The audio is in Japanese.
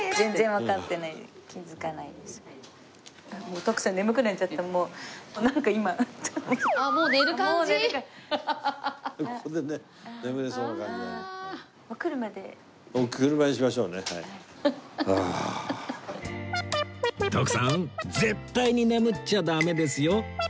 徳さん絶対に眠っちゃダメですよ